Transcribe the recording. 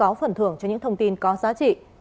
và sẽ có phần thưởng cho những thông tin có giá trị